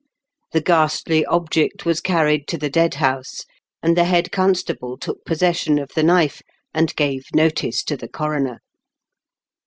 The ghastly object was carried to the dead house, and the head constable took possession of the knife, and gave notice to the coroner.